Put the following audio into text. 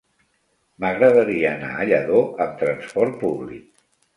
M'agradaria anar a Lladó amb trasport públic.